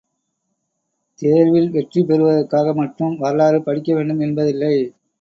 தேர்வில் வெற்றி பெறுவதற்காக மட்டும் வரலாறு படிக்க வேண்டும் என்பதில்லை.